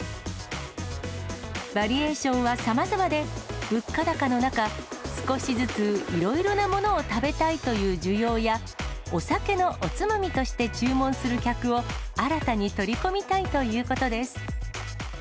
バリエーションはさまざまで、物価高の中、少しずつ、いろいろなものを食べたいという需要や、お酒のおつまみとして注文する客を新たに取り込みたいということです。